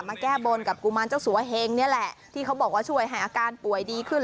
แก้บนกับกุมารเจ้าสัวเฮงนี่แหละที่เขาบอกว่าช่วยให้อาการป่วยดีขึ้น